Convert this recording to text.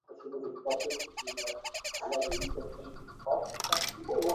আজিকার দিনে যে গাড়ি চড়িল না, সে বঁচিয়া থাকিবে কি করিয়া?